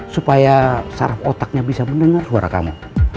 supaya saraf otaknya bisa mendengar suara kamu